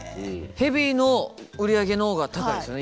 ヘビーの売り上げの方が高いですよね。